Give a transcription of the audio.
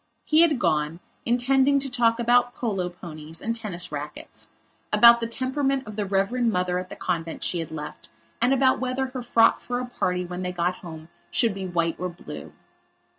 He had gone, intending to talk about polo ponies, and tennis racquets; about the temperament of the reverend Mother at the convent she had left and about whether her frock for a party when they got home should be white or blue.